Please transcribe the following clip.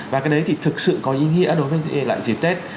và cái đấy thì thực sự có ý nghĩa đối với lại dịch tết